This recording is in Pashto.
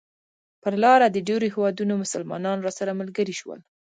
پر لاره د ډېرو هېوادونو مسلمانان راسره ملګري شول.